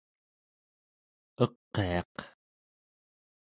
eqiaq